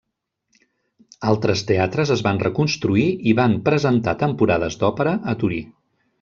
Altres teatres es van reconstruir i van presentar temporades d'òpera a Torí.